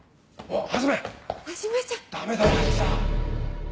あっ！